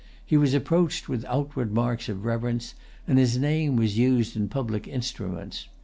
He was approached with outward marks of reverence, and his name was used in public instruments.